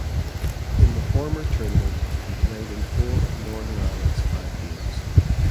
In the former tournament, he played in four of Northern Ireland's five games.